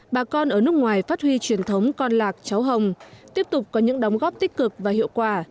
bà con ở nước ngoài phát huy truyền thống con lạc cháu hồng tiếp tục có những đóng góp tích cực và hiệu quả